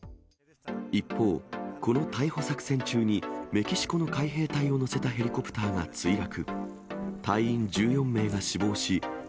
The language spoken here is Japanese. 一方、この逮捕作戦中に、メキシコの海兵隊を乗せたヘリコプターが墜落。